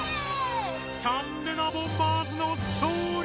チャンレナボンバーズの勝利！